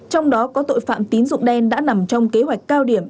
trong đó có tội phạm tín dụng đen đã nằm trong kế hoạch cao điểm